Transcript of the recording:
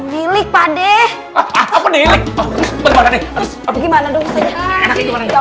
milik padeh apa nih gimana